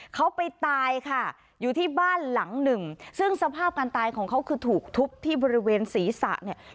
เขาไปตายค่ะอยู่ที่บ้านหลังหนึ่งซึ่งสภาพการตายของเขาคือถูกทุบที่บริเวณศีรษะเนี่ย